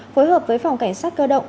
phối hợp với phòng cảnh sát cơ động